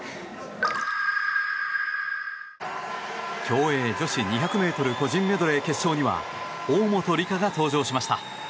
競泳女子２００ｍ個人メドレー決勝には大本里佳が登場しました。